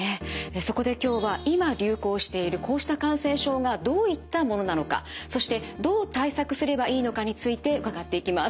そこで今日は今流行しているこうした感染症がどういったものなのかそしてどう対策すればいいのかについて伺っていきます。